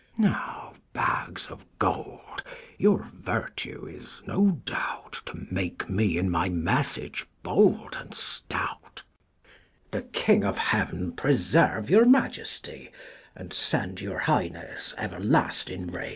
Now bags ofLgoki, your virtue is (no doubt) To make me in my message bold and stout. The King of heaven preserve your Majesty, 48 KING LEIR AND . [Acr IV And send your highness everlasting reign.